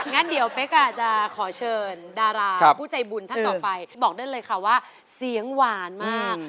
งั้นเดี๋ยวเป๊กอาจจะขอเชิญดาราผู้ใจบุญท่านต่อไปบอกได้เลยค่ะว่าเสียงหวานมาก